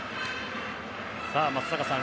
松坂さん